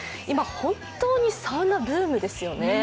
今、本当にサウナブームですよね？